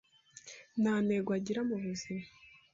Nta ntego agira mu buzima